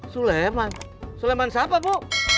suleman suleman siapa bu